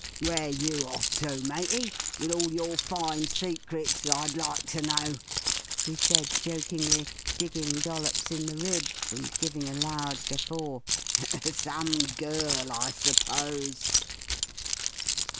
"Where're you off to, matey? With all your fine secrets? I'd like to know!" he said jokingly, digging Dollops in the ribs, and giving a loud guffaw. "Some girl, I suppose."